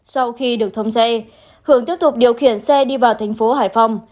sau khi được thông xe hưởng tiếp tục điều khiển xe đi vào thành phố hải phòng